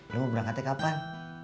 lo mau berangkatnya kapan